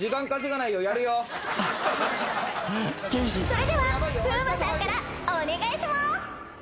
それでは風磨さんからお願いします。